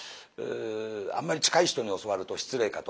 あんまり近い人に教わると失礼かと思って。